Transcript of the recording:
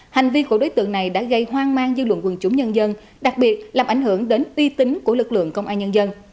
hành vi của đối tượng này đã gây hoang mang dư luận quần chúng nhân dân đặc biệt làm ảnh hưởng đến uy tín của lực lượng công an nhân dân